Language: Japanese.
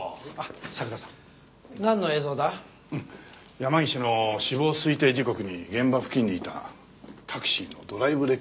山岸の死亡推定時刻に現場付近にいたタクシーのドライブレコーダーの映像。